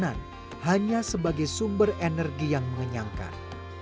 makanan hanya sebagai sumber energi yang mengenyangkan